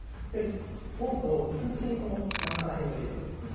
フォークをうつ伏せにこの真ん中ら辺に置いていただけますか。